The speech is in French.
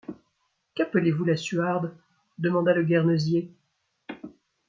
Qu’appelez-vous la Suarde ? demanda le guernesiais.